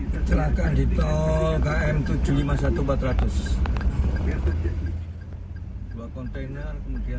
kecelakaan di tol km tujuh ratus lima puluh satu empat ratus